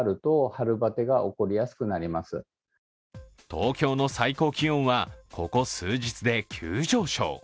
東京の最高気温はここ数日で急上昇。